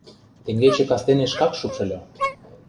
Теҥгече кастене шкак шупшыльо.